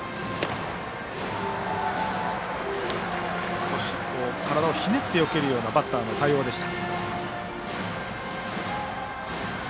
少し体をひねってよけるようなバッターの対応でした。